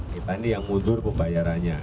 kita ini yang mundur pembayarannya